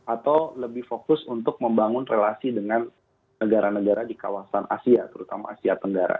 atau lebih fokus untuk membangun relasi dengan negara negara di kawasan asia terutama asia tenggara